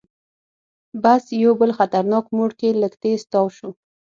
بس یو بل خطرناک موړ کې لږ تیز تاو شو.